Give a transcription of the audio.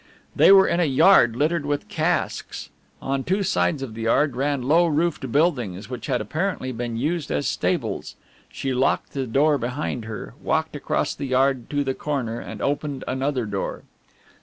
They were in a yard littered with casks. On two sides of the yard ran low roofed buildings which had apparently been used as stables. She locked the door behind her, walked across the yard to the corner and opened another door.